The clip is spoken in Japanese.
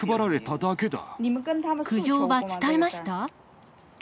苦情は伝えました？